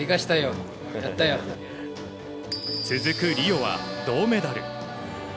続くリオは銅メダル。